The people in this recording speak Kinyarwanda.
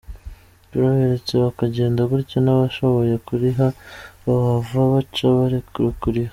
''Turaberetse bakagenda gutyo n'abashoboye kuriha bohava baca bareka kuriha'' .